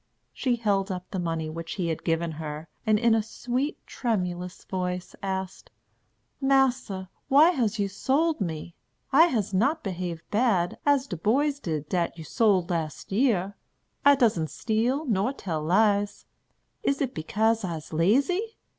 She held up the money which he had given her, and, in a sweet, tremulous voice, asked: "Massa, why has you sold me? I has not behaved bad, as de boys did dat you sold last year. I doesn't steal nor tell lies. Is it bekase I'se lazy?